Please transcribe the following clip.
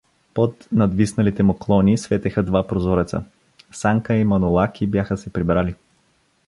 Под надвисналите му клони светеха два прозореца — Санка и Манолаки бяха се прибрали.